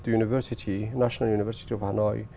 tôi có cơ hội gặp được cơ hội của hà nội